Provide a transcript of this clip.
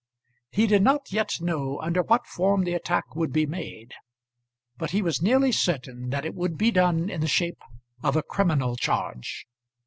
He did not yet know under what form the attack would be made; but he was nearly certain that it would be done in the shape of a criminal charge.